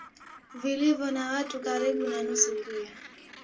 vilivyo na watu karibu na nusu Pia